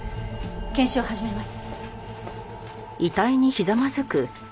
検視を始めます。